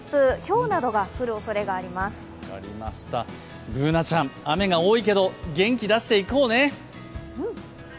Ｂｏｏｎａちゃん、雨が多いけど元気出していこうね！